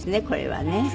これはね。